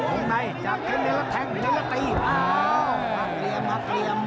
เอ้ารามเคลี่ยมรับเคลี่ยม